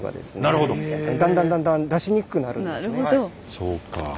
そうか。